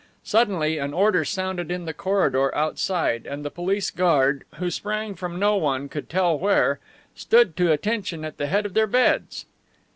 Suddenly an order sounded in the corridor outside, and the police guard, who sprang from no one could tell where, stood to attention at the head of their beds.